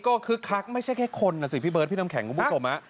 ก็คึกคักไม่ใช่แค่คนนะสิพี่เบิร์ดพี่น้ำแข็งคุณผู้ชม